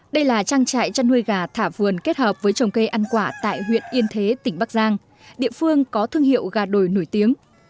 đây là trang trại chăn nuôi gà thả vườn kết hợp với trồng cây ăn quả tại huyện yên thế tỉnh bắc giang địa phương có thương hiệu gà đồi nổi tiếng